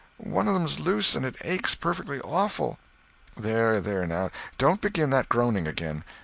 "One of them's loose, and it aches perfectly awful." "There, there, now, don't begin that groaning again.